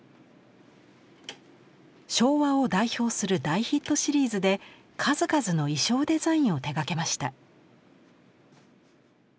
昭和を代表する大ヒットシリーズで数々の衣装デザインを手がけました。